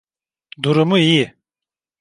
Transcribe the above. Durumu iyi.